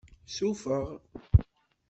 Sufeɣ.